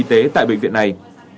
tại bệnh viện này